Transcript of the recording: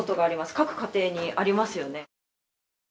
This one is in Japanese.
各家庭にありますよね。